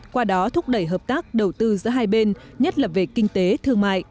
qua đó thúc đẩy hợp tác đầu tư giữa hai bên nhất là về kinh tế thương mại